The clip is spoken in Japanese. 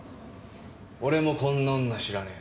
俺もこんな女知らねえ。